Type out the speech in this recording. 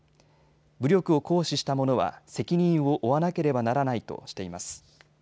武力を行使したものは責任を負わなければならないとしています。